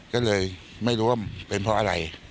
ก็เลยไม่รู้ว่ามันเป็นเพราะอะไร